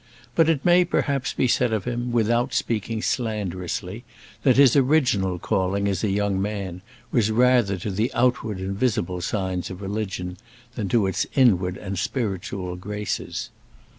But it may perhaps be said of him, without speaking slanderously, that his original calling, as a young man, was rather to the outward and visible signs of religion than to its inward and spiritual graces.